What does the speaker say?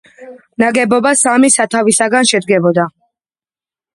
ნაგებობა სამი სათავსისაგან შედგებოდა.